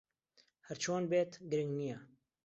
ھەر چۆن بێت، گرنگ نییە.